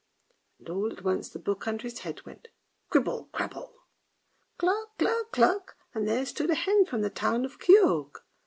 And all at once the book under his head went " cribble, crabble." "Cluck, cluck, cluck!" and there stood a hen from the town of Kioge.